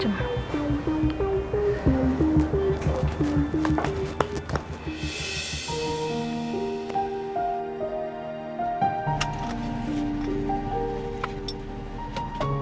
apa udah dihapus sama al